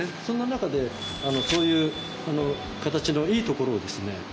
そんな中でそういう形のいいところをですね